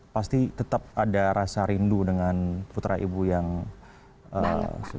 pasti tetap ada rasa rindu dengan putra ibu yang sudah